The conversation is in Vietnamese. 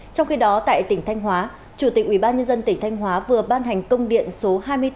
trong khi đó tại tỉnh thanh hóa chủ tịch ubnd tỉnh thanh hóa vừa ban hành công điện số hai mươi bốn